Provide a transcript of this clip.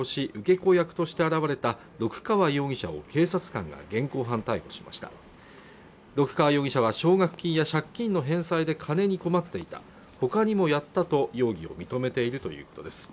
子役として現れた六川容疑者を警察官が現行犯逮捕しました六川容疑者は奨学金や借金の返済で金に困っていたほかにもやったと容疑を認めているということです